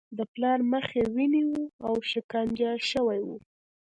د پلار مخ یې وینې و او شکنجه شوی و